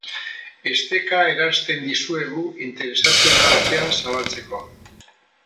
Esteka eransten dizuegu interesatuen artean zabaltzeko.